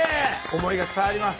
思いが伝わります。